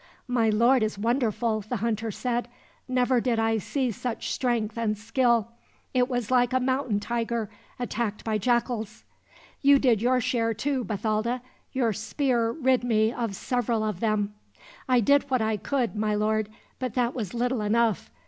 "My lord is wonderful," the hunter said. "Never did I see such strength and skill. It was like a mountain tiger attacked by jackals." "You did your share, too, Bathalda. Your spear rid me of several of them." "I did what I could, my lord; but that was little enough.